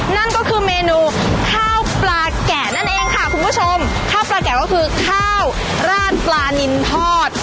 นั่นก็คือเมนูข้าวปลาแกะนั่นเองค่ะคุณผู้ชมข้าวปลาแกะก็คือข้าวราดปลานินทอด